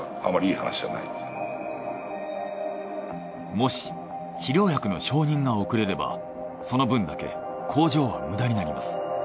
もし治療薬の承認が遅れればその分だけ工場は無駄になります。